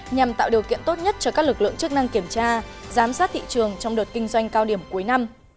nhằm tạo điều kiện tốt nhất cho các lực lượng chức năng kiểm tra giám sát thị trường trong đợt kinh doanh cao điểm cuối năm